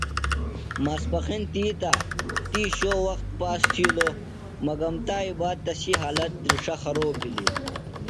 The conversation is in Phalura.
ماسپخِن تی تہ تی شو وخت پاس تِھیلوۡ مگم تائی باد بہ تسی حالت تِرݜہ خروب بِھلیۡ۔